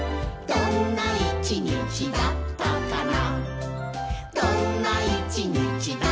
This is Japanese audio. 「どんな一日だったかな」